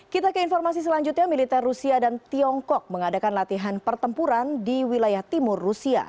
kita ke informasi selanjutnya militer rusia dan tiongkok mengadakan latihan pertempuran di wilayah timur rusia